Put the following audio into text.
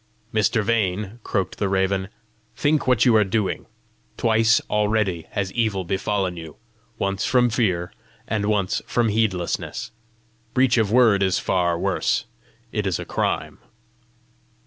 "Mr. Vane," croaked the raven, "think what you are doing! Twice already has evil befallen you once from fear, and once from heedlessness: breach of word is far worse; it is a crime."